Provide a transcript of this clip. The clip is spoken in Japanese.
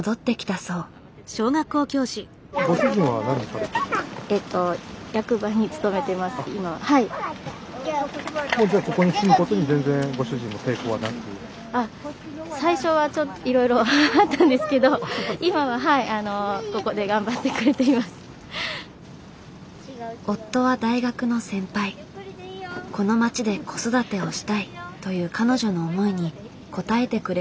「この町で子育てをしたい」という彼女の思いに応えてくれたのだという。